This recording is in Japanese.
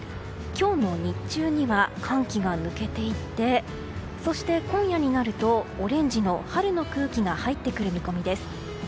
今日の日中には寒気が抜けていってそして今夜になるとオレンジの春の空気が入ってくる見込みです。